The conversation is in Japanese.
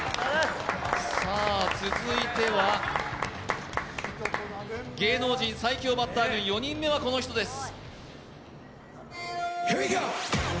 続いては、芸能人最強バッター軍４人目はこの人です。